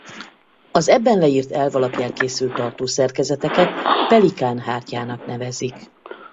Az ebben leírt elv alapján készült tartószerkezeteket Pelikán-hártyának nevezik.